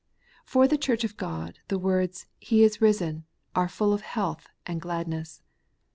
For the Church of God, the words ' He is risen ' are full of health and gladness.